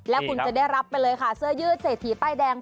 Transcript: แล้วคุณจะได้รับไปเลยค่ะเสื้อยืดเศรษฐีป้ายแดง